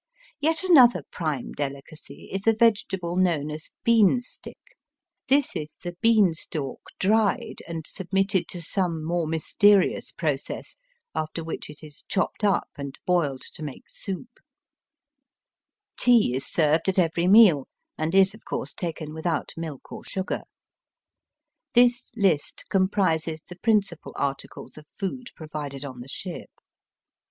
Yet another prime deUcacy is a vegetable known as l^eanstick. This is the beanstalk dried and submitted to some more mysterious process, after which it is chopped up and boiled to make soup. Tea is served at every meal, and is of course taken without milk or sugar. Digitized by VjOOQIC THE HEATHEN CHINEE. 177 This list comprises the principal articles. of food provided on the ship.